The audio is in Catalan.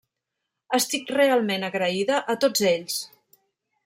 Estic realment agraïda a tots ells.